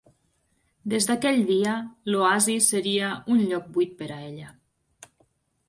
Des d'aquell dia, l'oasi seria un lloc buit per a ella.